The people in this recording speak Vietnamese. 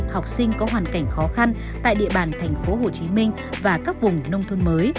học sinh có hoàn cảnh khó khăn tại địa bàn tp hcm và các vùng nông thôn mới